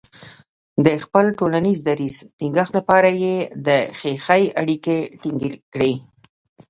د خپل ټولنیز دریځ ټینګښت لپاره یې د خیښۍ اړیکې ټینګې کړې.